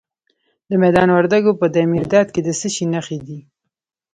د میدان وردګو په دایمیرداد کې د څه شي نښې دي؟